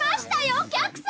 お客様！